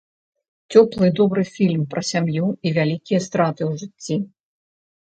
Цёплы, добры фільм пра сям'ю і вялікія страты ў жыцці.